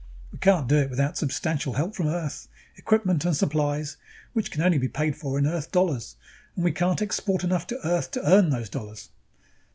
We can't do it without substantial help from Earth, equipment and supplies which can only be paid for in Earth dollars and we can't export enough to Earth to earn those dollars."